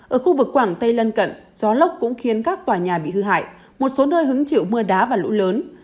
ở khu vực quảng tây lân cận gió lốc cũng khiến các tòa nhà bị hư hại một số nơi hứng chịu mưa đá và lũ lớn